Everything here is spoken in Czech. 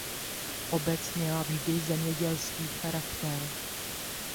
Obec měla vždy zemědělský charakter.